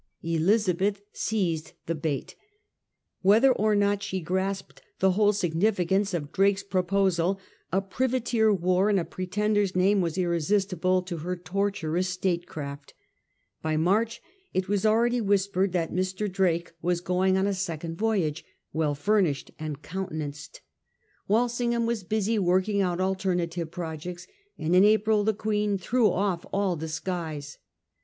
Elizabeth seized the bait "Whether or not she grasped the whole significance of Drake's proposal, a privateer war in a pretender's name was irresistible to her tortuous statecraft By March it was already whispered that Mr. Drake was going VII KNIGHTHOOD 93 ■ on a second voyage, well furnished and countenanced. Wialsingham was busy working out alternative projects, and in April the Queen threw off all disguise.